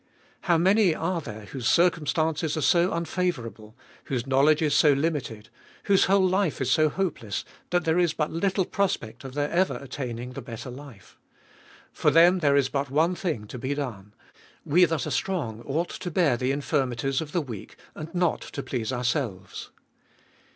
How many are there whose circumstances are so unfavourable, whose knowledge is so limited, whose whole life is so hopeless, that there is but little prospect of their ever attaining the better life. For them there is but one thing to be done : We that are strong ought to bear the infirmities of the weak, and not to please our selves.